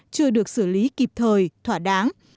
chưa được xử lý kịp thời thỏa đáng